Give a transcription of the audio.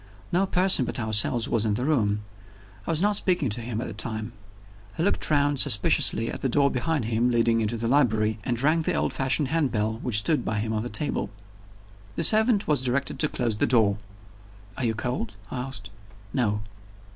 No person but ourselves was in the room; I was not speaking to him at the time. He looked round suspiciously at the door behind him, leading into the library, and rang the old fashioned handbell which stood by him on the table. The servant was directed to close the door. "Are you cold?" I asked. "No."